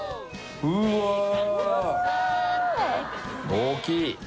大きい！